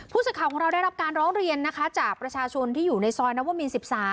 ผู้สักข่าวของเราได้รับการร้องเรียนจากประชาชนที่อยู่ในซอยนับว่ามีน๑๓